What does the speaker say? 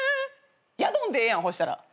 ヤドンでええやんほしたら。